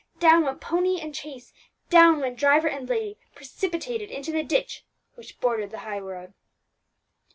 Down went pony and chaise, down went driver and lady, precipitated into the ditch which bordered the high road.